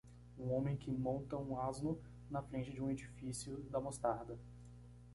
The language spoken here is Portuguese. Um homem que monta um asno na frente de um edifício da mostarda.